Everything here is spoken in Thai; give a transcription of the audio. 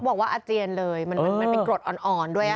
บอกว่าอาเจียนเลยมันเป็นกรดอ่อนด้วยอ่ะค่ะ